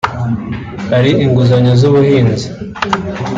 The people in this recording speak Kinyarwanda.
Hari inguzanyo z’ubuhinzi